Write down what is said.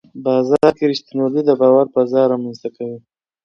بازار کې رښتینولي د باور فضا رامنځته کوي